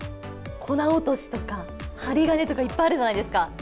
粉落としとか、ハリガネとか、いっぱいあるじゃないですか。